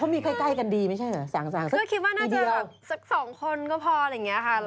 เขามีใกล้กันดีไม่ใช่เหรอส่างสักทีเดียวคือคิดว่าน่าจะสัก๒คนก็พอ